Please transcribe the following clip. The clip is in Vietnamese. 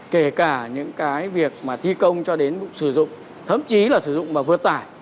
kể cả những cái việc mà thi công cho đến sử dụng thậm chí là sử dụng mà vượt tải